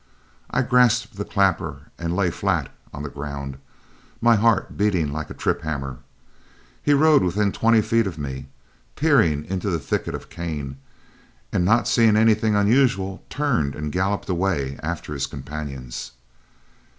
I grasped the clapper and lay flat on the ground, my heart beating like a trip hammer. He rode within twenty feet of me, peering into the thicket of cane, and not seeing anything unusual, turned and galloped away after his companions.